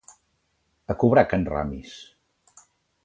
A cobrar a can Ramis!